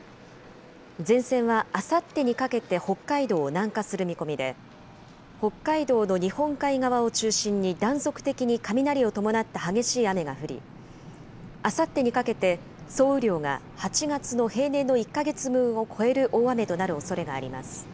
前線はあさってにかけて北海道を南下する見込みで、北海道の日本海側を中心に断続的に雷を伴った激しい雨が降り、あさってにかけて、総雨量が８月の平年の１か月分を超える大雨となるおそれがあります。